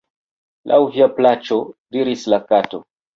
"Laŭ via plaĉo," diris la Kato.